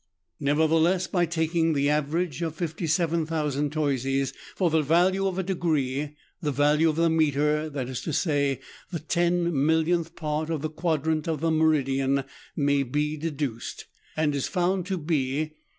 Nevertheless, by taking this average of 57,000 toises for the value of a degree, the value of the m^tre, that is to say, the ten millionth part of the quadrant of the meridian, may be deduced, and is found to be 0.